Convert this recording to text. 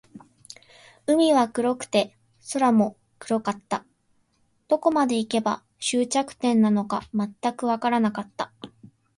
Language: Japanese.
海は黒くて、空も黒かった。どこまで行けば、終着点なのか全くわからなかった。